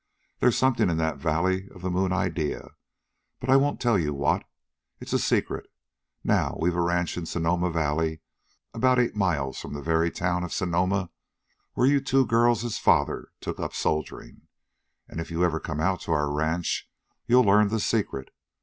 There's something in that valley of the moon idea, but I won't tell you what. It is a secret. Now we've a ranch in Sonoma Valley about eight miles from the very town of Sonoma where you two girls' fathers took up soldiering; and if you ever come to our ranch you'll learn the secret.